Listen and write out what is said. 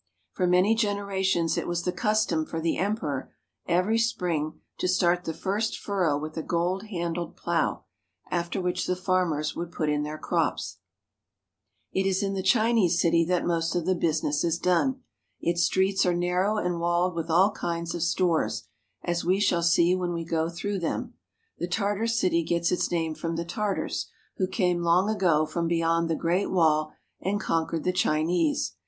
For many generations it was the custom for the Emperor, every spring, to start the first furrow with a gold handled plow, after which the farmers would put in their crops. 124 THE GREAT CAPITAL OF CHINA It is in the Chinese city that most of the business is done. Its streets are narrow and walled with all kinds of stores, as we shall see when we go through them. The Tartar city gets its name from the Tartars, who came, long ago, from beyond the Great Wall and conquered the Chinese.